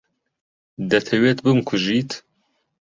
دەتەوێت بمکوژیت؟